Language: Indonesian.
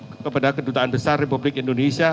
kepada kedutaan besar republik indonesia